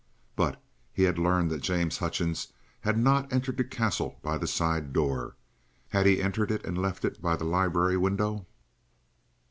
But he had learned that James Hutchings had not entered the Castle by the side door. Had he entered it and left it by the library window?